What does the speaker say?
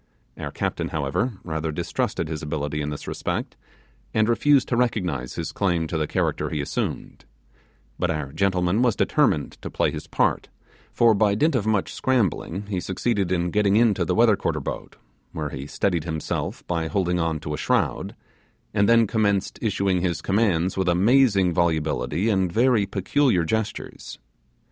Our captain, however, rather distrusted his ability in this respect, and refused to recognize his claim to the character he assumed; but our gentleman was determined to play his part, for, by dint of much scrambling, he succeeded in getting into the weather quarter boat, where he steadied himself by holding on to a shroud, and then commenced issuing his commands with amazing volubility and very peculiar gestures.